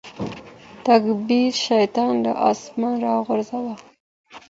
تکبر شيطان له اسمانه راوغورځاوه.